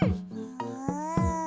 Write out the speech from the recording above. うん。